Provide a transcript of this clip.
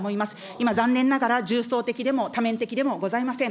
今、残念ながら、重層的でも多面的でもございません。